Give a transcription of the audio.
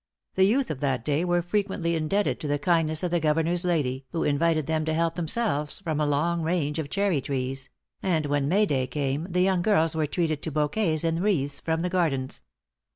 The youth of that day were frequently indebted to the kindness of the Governor's lady, who invited them to help themselves from a long range of cherry trees; and when May day came, the young girls were treated to bouquets and wreaths from the gardens.